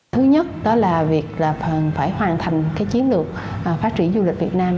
thứ nhất đó là việc phải hoàn thành chiến lược phát triển du lịch việt nam